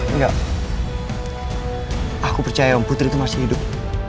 enggak aku percaya om butir itu masih hidup